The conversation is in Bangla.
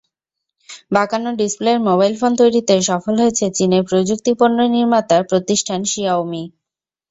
বাঁকানো ডিসপ্লের মোবাইল ফোন তৈরিতে সফল হয়েছে চীনের প্রযুক্তিপণ্য নির্মাতা প্রতিষ্ঠান শিয়াওমি।